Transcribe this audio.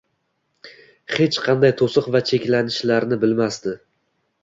hech qanday to'siq va cheklanishlami bilmasdi.